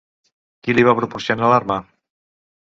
Qui li va proporcionar l'arma?